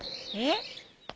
えっ？